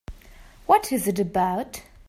What is it about?